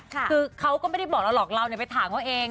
คือเขาก็ไม่ได้บอกเราหรอกเราไปถามเขาเอง